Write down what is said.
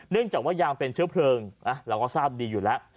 จากว่ายางเป็นเชื้อเพลิงเราก็ทราบดีอยู่แล้ว